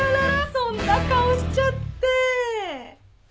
そんな顔しちゃって。